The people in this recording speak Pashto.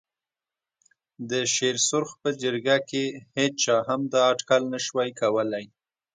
د شېر سرخ په جرګه کې هېچا هم دا اټکل نه شوای کولای.